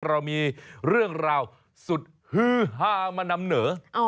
เรามีเรื่องราวสุดฮือฮามานำเหนอ